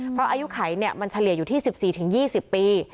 เพราะอายุไขมันเฉลี่ยอยู่ที่๑๔๒๐ปี